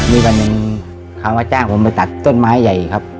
มีวันหนึ่งเขามาจ้างผมไปตัดต้นไม้ใหญ่ครับ